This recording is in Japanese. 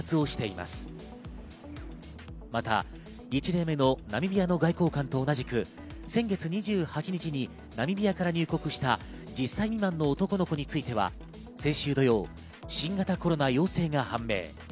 また、１例目のナミビアの外交官と同じく先月２８日にナミビアから入国した１０歳未満の男の子については、先週土曜、新型コロナ陽性が判明。